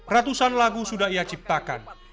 ratusan lagu sudah ia ciptakan